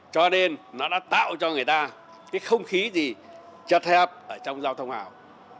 cho nên nó đã tạo cho người ta cái không khí gì chật hẹp ở trong giao thông nào